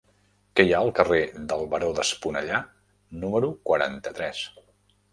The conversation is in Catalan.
Què hi ha al carrer del Baró d'Esponellà número quaranta-tres?